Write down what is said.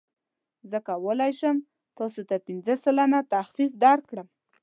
زه کولی شم تاسو ته پنځه سلنه تخفیف درکړم.